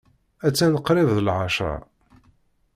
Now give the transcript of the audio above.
Attan qrib d lɛecṛa.